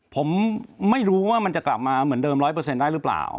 ผมไม่รู้ว่ามันจะกลับมาเหมือนเดิม๑๐๐ได้หรือเปล่า